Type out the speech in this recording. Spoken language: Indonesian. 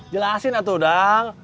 jelasin ato dang